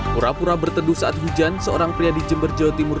pura pura berteduh saat hujan seorang pria di jember jawa timur